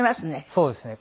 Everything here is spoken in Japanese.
そうですね。